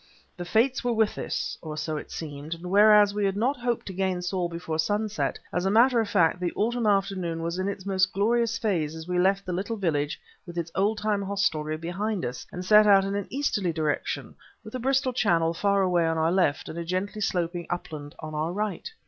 The Fates were with us (or so it seemed); and whereas we had not hoped to gain Saul before sunset, as a matter of fact, the autumn afternoon was in its most glorious phase as we left the little village with its oldtime hostelry behind us and set out in an easterly direction, with the Bristol Channel far away on our left and a gently sloping upland on our right.